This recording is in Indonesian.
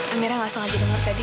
amira gak sangat denger tadi